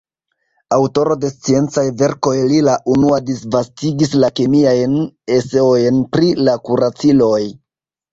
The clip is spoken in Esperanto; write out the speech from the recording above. Aŭtoro de sciencaj verkoj, li la unua disvastigis la kemiajn eseojn pri la kuraciloj.